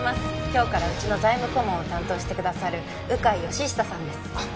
今日からうちの財務顧問を担当してくださる鵜飼吉久さんですあっ